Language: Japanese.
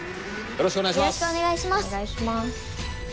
よろしくお願いします。